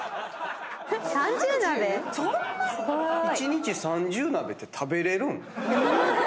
そんなに⁉１日３０鍋って食べれるん？